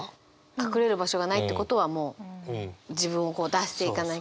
隠れる場所がないってことはもう自分を出していかなきゃいけない。